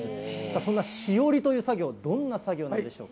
そんな枝折りという作業、どんな作業なんでしょうか。